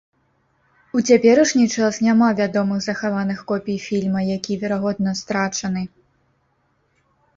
У цяперашні час няма вядомых захаваных копій фільма, які, верагодна, страчаны.